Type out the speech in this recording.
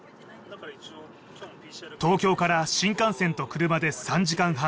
東京から新幹線と車で３時間半